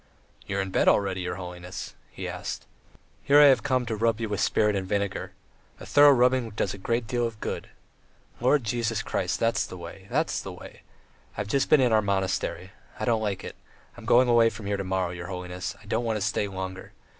"You are in bed already, your holiness?" he asked. "Here I have come to rub you with spirit and vinegar. A thorough rubbing does a great deal of good. Lord Jesus Christ! ... That's the way ... that's the way. ... I've just been in our monastery. ... I don't like it. I'm going away from here to morrow, your holiness; I don't want to stay longer.